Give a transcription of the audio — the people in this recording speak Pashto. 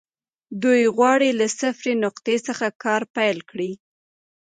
دوی غواړي له صفري نقطې څخه کار پيل کړي.